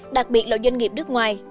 đặc biệt là doanh nghiệp nước ngoài